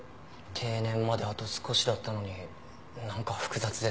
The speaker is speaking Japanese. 定年まであと少しだったのになんか複雑ですよね。